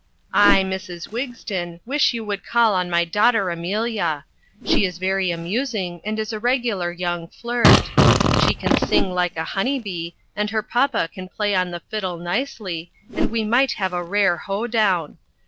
I, Mrs. Wigston wish you would call on my daughter Amelia. She is very amusing and is a regular young flirt. She can sing like a hunny bee and her papa can play on the fiddle nicely and we might have a rare ho down.